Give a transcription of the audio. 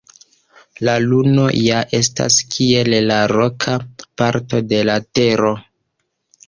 La Luno ja estas kiel la roka parto de la Tero.